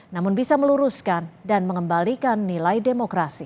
namun bisa meluruskan dan mengembalikan nilai demokrasi